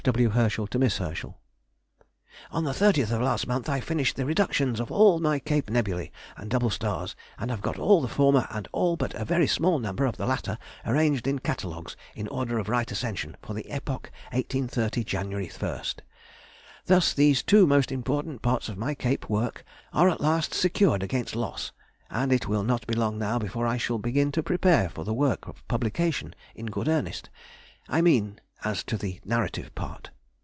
F. W. HERSCHEL TO MISS HERSCHEL. ... On the 30th of last month I finished the reductions of all my Cape nebulæ and double stars, and have got all the former and all but a very small number of the latter arranged in catalogues in order of Rt. Ascension for the epoch 1830, January 1st. Thus these two most important parts of my Cape work are at last secured against loss, and it will not be long now before I shall begin to prepare for the work of publication in good earnest. I mean as to the narrative part.